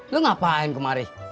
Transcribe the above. lu ngapain kemarin